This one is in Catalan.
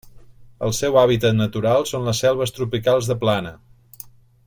El seu hàbitat natural són les selves tropicals de plana.